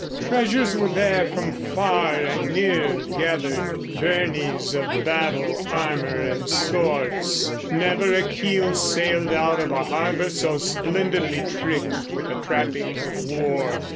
Treasures were there from far and near gathered, Byrnies of battle, armor and swords; Never a keel sailed out of a harbor So splendidly tricked with the trappings of war.